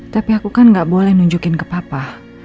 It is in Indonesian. tapi aku kan gak boleh nunjukin ke papa